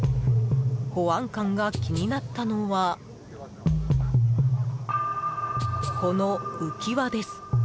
保安官が気になったのはこの浮き輪です。